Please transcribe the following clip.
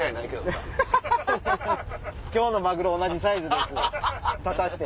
「今日のマグロ同じサイズです」立たして。